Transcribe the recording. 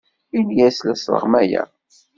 Ini-as la sleɣmayeɣ.